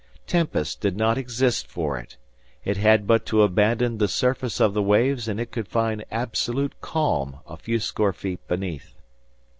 Tempests did not exist for it. It had but to abandon the surface of the waves, and it could find absolute calm a few score feet beneath.